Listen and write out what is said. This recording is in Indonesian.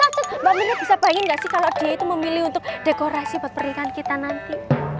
pak mirna bisa bayangin gak sih kalo dia itu memilih untuk dekorasi buat perikan kita nanti